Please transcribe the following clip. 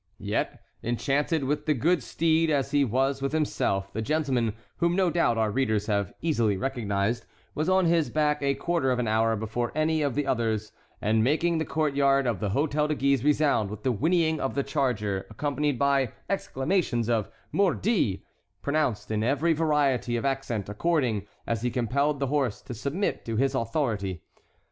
Yet, enchanted with the good steed as he was with himself, the gentleman, whom no doubt our readers have easily recognized, was on his back a quarter of an hour before any of the others and making the court yard of the Hôtel de Guise resound with the whinnying of the charger accompanied by exclamations of mordi, pronounced in every variety of accent according as he compelled the horse to submit to this authority.